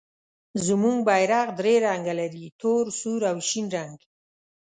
زموږ بیرغ درې رنګه لري، تور، سور او شین رنګ.